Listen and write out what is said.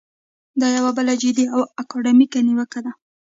دا یوه بله جدي او اکاډمیکه نیوکه ده.